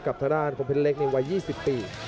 กับท่านคมเพศเล็กในวัย๒๐ปี